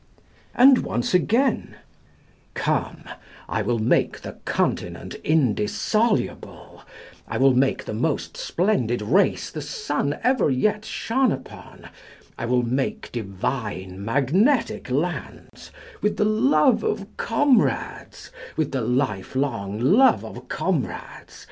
And once again: "Come, I will make the continent indissoluble; I will make the most splendid race the sun ever yet shone upon; I will make divine magnetic lands, With the love of comrades, With the life long love of comrades.